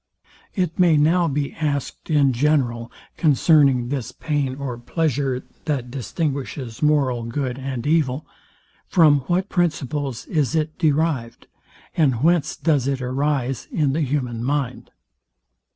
It may now be asked in general, concerning this pain or pleasure, that distinguishes moral good and evil, FROM WHAT PRINCIPLES IS IT DERIVED, AND WHENCE DOES IT ARISE IN THE HUMAN MIND?